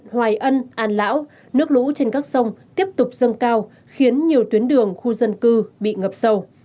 hoài ân an lão nước lũ trên các sông tiếp tục dâng cao khiến nhiều tuyến đường khu dân cư bị ngập sâu